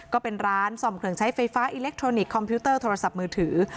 ก็เป็นร้านซ่อมเครื่องใช้ไฟฟ้าอิเล็กทรอนิกสคอมพิวเตอร์โทรศัพท์มือถือ